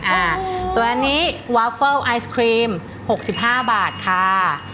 อันนี้วาเฟิลไอศครีม๖๕บาทค่ะ